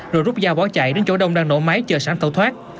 rồi rút dao bó chạy đến chỗ đông đang nổ máy chờ sẵn tẩu thoát